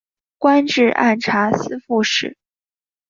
官至按察司副使。